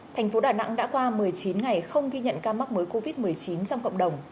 thành phố đà nẵng đã qua một mươi chín ngày không ghi nhận ca mắc mới covid một mươi chín trong cộng đồng